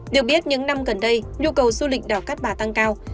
được biết những năm gần đây nhu cầu du lịch đảo cát bà tăng cao